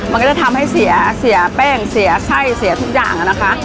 มันก็จะทำให้เสียเสียแป้งเสียไข้เสียทุกอย่างนะคะ